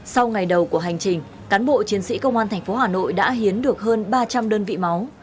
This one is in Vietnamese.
sau ngày đầu của hành trình cán bộ chiến sĩ công an thành phố hà nội đã hiến được hơn ba trăm linh đơn vị máu